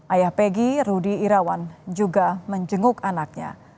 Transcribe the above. ayah peggy rudy irawan juga menjenguk anaknya